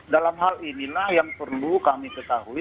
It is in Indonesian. dalam hal inilah yang perlu kami ketahui